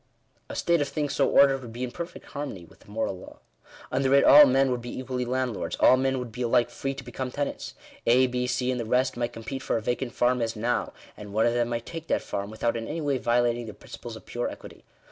A state of things so ordered would be in perfect harmony with the moral law. Under it all men would be equally land lords ; all men would be alike free to become tenants. A, B, C, and the rest, might compete for a vacant farm as now, and one of them might take that farm, without in any way violating the principles of pure equity.